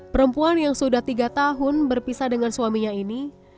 perempuan yang sudah tiga tahun berpisah dengan suaminya ini